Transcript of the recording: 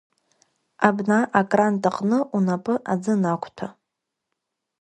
Абна акрант аҟны унапы аӡы нақәҭәа…